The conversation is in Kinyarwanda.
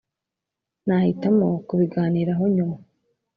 nahitamo kubiganiraho nyuma.